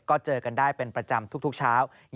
ก็เจอกันได้เป็นประจำทุกเช้า